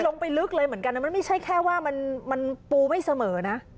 ลงไปลึกเลยเหมือนกันมันไม่ใช่แค่ว่ามันปูไม่เสมอนะ